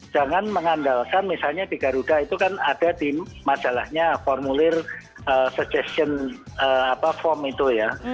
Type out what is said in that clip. jangan mengandalkan misalnya di garuda itu kan ada di masalahnya formulir suggestion form itu ya